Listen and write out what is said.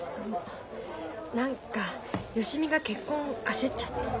何か芳美が結婚焦っちゃって。